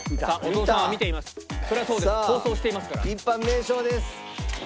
さあ一般名称です。